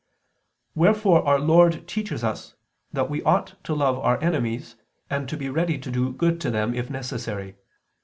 Wherefore Our Lord teaches us that we ought to love our enemies, and to be ready to do good to them if necessary.